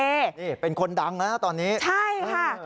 นี่เป็นคนดังแล้วนะตอนนี้ใช่ค่ะ